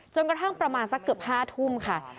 กระทั่งประมาณสักเกือบ๕ทุ่มค่ะ